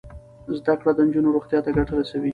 زده کړه د نجونو روغتیا ته ګټه رسوي.